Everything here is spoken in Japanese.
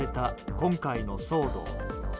今回の騒動。